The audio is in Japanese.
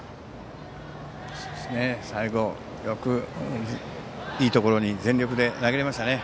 最後、よくいいところに全力で投げられましたね。